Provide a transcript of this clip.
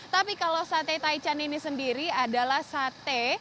tapi kalau sate taichan ini sendiri adalah sate